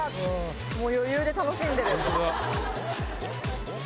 もう余裕で楽しんでる。